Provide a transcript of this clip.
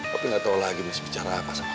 papi gak tahu lagi harus bicara apa sama kamu